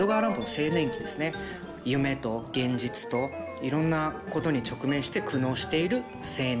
夢と現実といろんなことに直面して苦悩している青年。